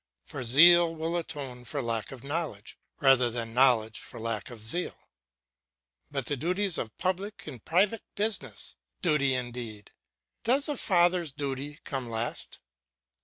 For zeal will atone for lack of knowledge, rather than knowledge for lack of zeal. But the duties of public and private business! Duty indeed! Does a father's duty come last.